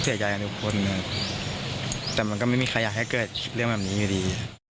เสียใจกับทุกคนครับแต่มันก็ไม่มีใครอยากให้เกิดเรื่องแบบนี้อยู่ดี